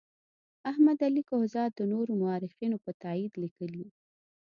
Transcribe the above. احمد علي کهزاد د نورو مورخینو په تایید لیکي.